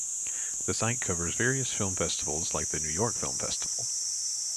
The site covers various film festivals like the New York Film Festival.